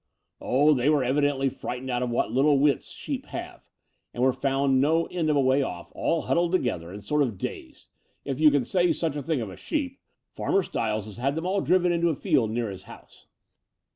"Oh, they were evidently frightened out of what little wits sheep have, and were foimd no end of a way off, all huddled together and sort of dazed, if you can say such a thing of a sheep. Farmer Stiles has had them all driven into a field near his house."